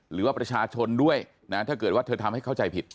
หรือว่าประชาชนด้วยนะถ้าเกิดว่าเธอทำให้เข้าใจผิด